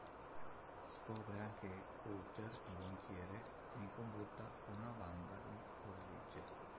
Scopre anche che Coulter, il banchiere, è in combutta con una banda di fuorilegge.